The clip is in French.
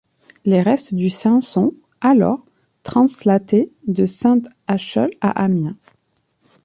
Les restes du saint sont, alors, translatés de Saint-Acheul à Amiens.